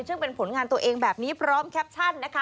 ซึ่งเป็นผลงานตัวเองแบบนี้พร้อมแคปชั่นนะคะ